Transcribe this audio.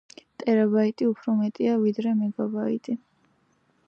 ტერაბაიტი უფრო მეტია ვიდრე მეგაიბაიტი.